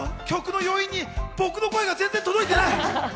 曲の余韻に僕の声が全然届いてない。